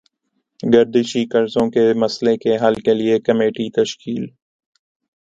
گردشی قرضوں کے مسئلے کے حل کیلئے کمیٹی تشکیل